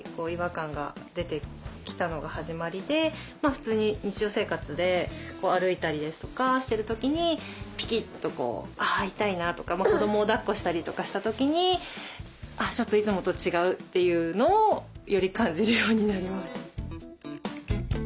普通に日常生活で歩いたりですとかしてる時にピキッと「あ痛いな」とか子どもをだっこしたりとかした時に「ちょっといつもと違う」というのをより感じるようになりました。